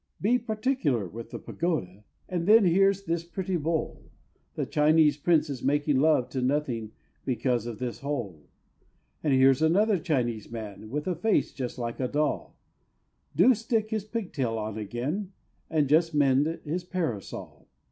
Be particular with the pagoda: and then here's this pretty bowl The Chinese Prince is making love to nothing because of this hole; And here's another Chinese man, with a face just like a doll, Do stick his pigtail on again, and just mend his parasol.